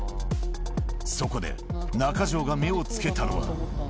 そこで、中城が目をつけたのは。